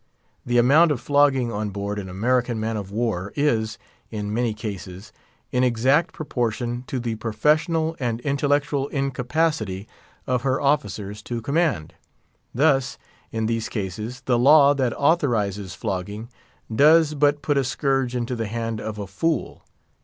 The amount of flogging on board an American man of war is, in many cases, in exact proportion to the professional and intellectual incapacity of her officers to command. Thus, in these cases, the law that authorises flogging does but put a scourge into the hand of a fool.